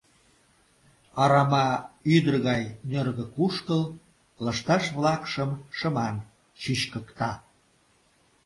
Арама — ӱдыр гай нӧргӧ кушкыл — лышташ-влакшым шыман чӱчкыкта…